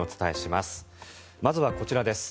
まずはこちらです。